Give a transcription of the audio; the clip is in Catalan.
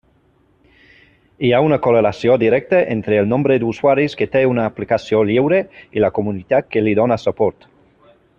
Hi ha una correlació directa entre el nombre d'usuaris que té una aplicació lliure i la comunitat que li dóna suport.